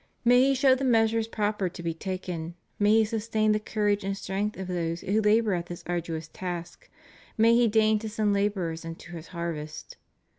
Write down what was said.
May He show the measures proper to be taken; may He sustain the courage and strength of those who labor at this arduous task; may He deign to send laborers into His harvest.